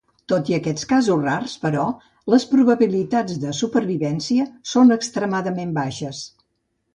Tot i aquests casos rars, però, les probabilitats de supervivència són extremadament baixes.